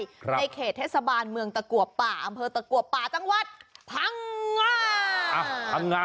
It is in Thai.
ในเขตเทศบาลเมืองตะกัวป่าอำเภอตะกัวป่าจังหวัดพังงา